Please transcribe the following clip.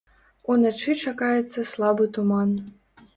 Уначы чакаецца слабы туман.